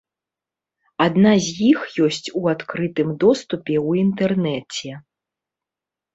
Адна з іх ёсць у адкрытым доступе ў інтэрнэце.